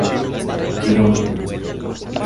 Quiero una gira.